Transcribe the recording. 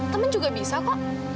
temen juga bisa kok